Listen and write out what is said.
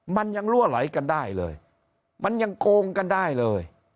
มันยังรั่วไหลกันได้เลยมันยังโกงกันได้เลย